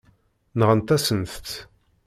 Nɣant-asent-tt.